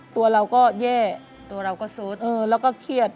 ตัวเราก็แย่ตัวเราก็โซดแล้วก็เครียด